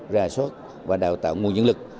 rà sốt và đào tạo nguồn nhân lực